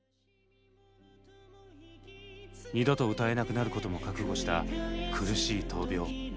二度と歌えなくなることも覚悟した苦しい闘病。